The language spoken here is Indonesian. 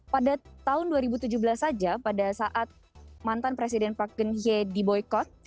pada tahun dua ribu tujuh belas saja pada saat mantan presiden park geun hye diboykot